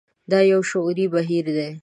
دا يو شعوري بهير دی.